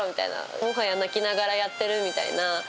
もはや泣きながらやってるみたいな。